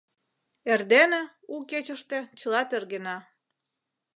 Эрдене, у кечыште, чыла тергена.